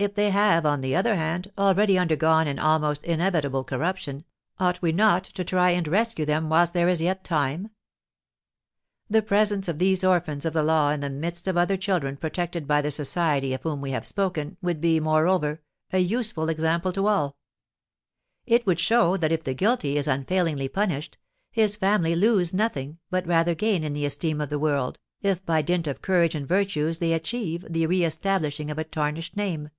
If they have, on the other hand, already undergone an almost inevitable corruption, ought we not to try and rescue them whilst there is yet time? The presence of these orphans of the law in the midst of other children protected by the society of whom we have spoken, would be, moreover, a useful example to all. It would show that if the guilty is unfailingly punished, his family lose nothing, but rather gain in the esteem of the world, if by dint of courage and virtues they achieve the reëstablishing of a tarnished name.